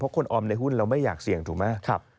คนออมในหุ้นเราไม่อยากเสี่ยงถูกไหม